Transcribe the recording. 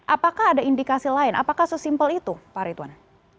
apakah ada indikasi lain apakah sesimpel itu pak ritwan